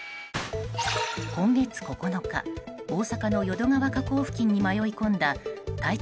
今月９日大阪の淀川河口付近に迷い込んだ体長